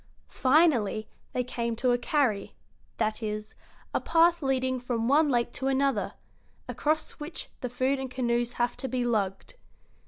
Finally they came to a "carry" that is, a path leading from one lake to another, across which the food and canoes have to be lugged.